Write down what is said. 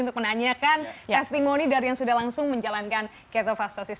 untuk menanyakan testimoni dari yang sudah langsung menjalankan ketofastosis